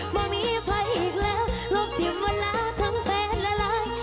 บ่มี่ไปอีกแล้วลบจิบวันแล้วทำแฟนละลาย